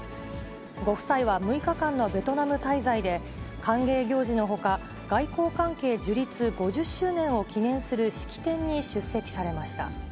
ご夫妻は６日間のベトナム滞在で、歓迎行事のほか、外交関係樹立５０周年を記念する式典に出席されました。